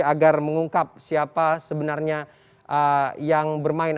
agar mengungkap siapa sebenarnya yang bermain